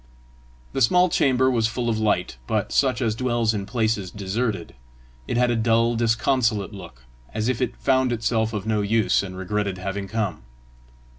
The small chamber was full of light, but such as dwells in places deserted: it had a dull, disconsolate look, as if it found itself of no use, and regretted having come.